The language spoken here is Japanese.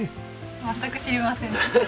全く知りませんでした。